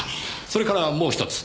それからもう一つ。